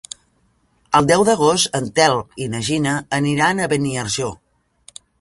El deu d'agost en Telm i na Gina aniran a Beniarjó.